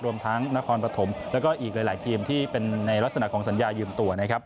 รวมทั้งนครปฐมแล้วก็อีกหลายทีมที่เป็นในลักษณะของสัญญายืมตัวนะครับ